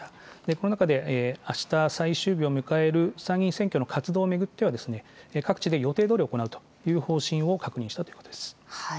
この中であした、最終日を迎える参議院選挙の活動を巡っては、各地で予定どおり行うという方針を確認したということです。